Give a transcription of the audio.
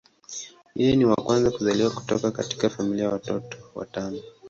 Yeye ni wa kwanza kuzaliwa kutoka katika familia ya watoto watano.